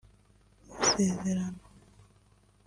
Isezerano